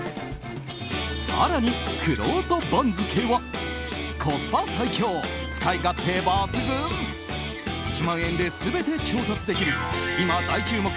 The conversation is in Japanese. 更に、くろうと番付はコスパ最強、使い勝手抜群１万円で全て調達できる今、大注目！